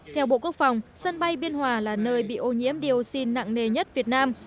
theo bộ quốc phòng sân bay biên hòa là nơi bị ô nhiễm dioxin nặng nề nhất việt nam